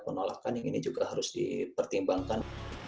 penolakan yang ini juga harus dipertimbangkan